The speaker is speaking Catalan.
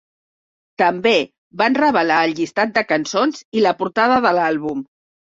També van revelar el llistat de cançons i la portada de l'àlbum.